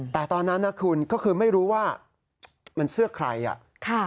แต่ตอนนั้นนะคุณก็คือไม่รู้ว่ามันเสื้อใครอ่ะค่ะ